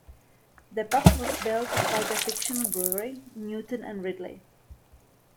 The pub was built by the fictional brewery Newton and Ridley.